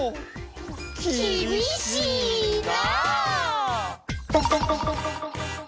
きびしいな！